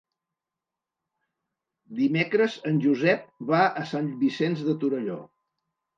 Dimecres en Josep va a Sant Vicenç de Torelló.